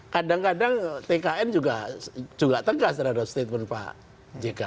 kadang kadang tkn juga tegas terhadap statement pak jk